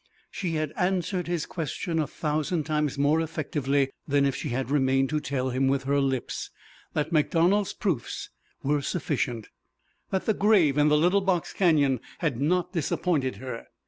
She had answered his question a thousand times more effectively than if she had remained to tell him with her lips that MacDonald's proofs were sufficient that the grave in the little box canyon had not disappointed her.